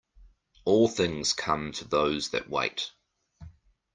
All things come to those that wait.